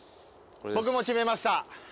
僕も決めました。